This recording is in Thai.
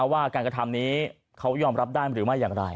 ว่าการกระทำนี้เขายอมรับได้หรือไม่อย่างไร